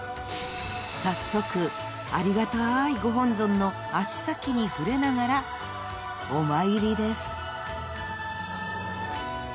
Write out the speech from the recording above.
［早速ありがたいご本尊の足先に触れながらお参りです］